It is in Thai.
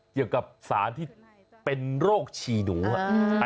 เกี่ยวกับสารที่เป็นโรคฉี่หนู